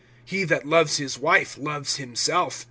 He that loves his wife loves himself.